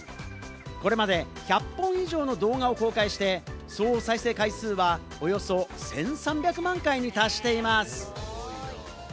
これまで１００本以上の動画を公開して、総再生回数はおよそ１３００万回に達しています。